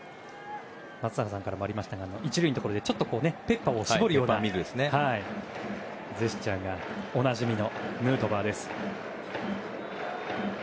松坂さんからもありましたが１塁のところでのジェスチャーがおなじみのヌートバーです。